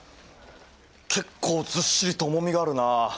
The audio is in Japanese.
結構ずっしりと重みがあるな。